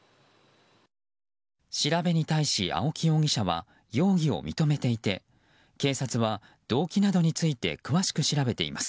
調べに対し、青木容疑者は容疑を認めていて警察は動機などについて詳しく調べています。